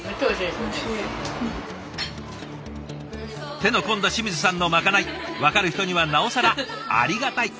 手の込んだ清水さんのまかない分かる人にはなおさらありがたい。